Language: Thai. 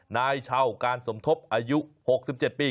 นายเช่าการสมทบอายุ๖๗ปี